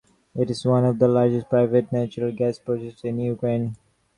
It is one of the largest private natural gas producers in Ukraine.